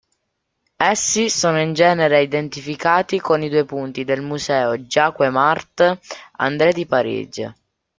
Essi sono in genere identificati con i due putti del Museo Jacquemart-André di Parigi.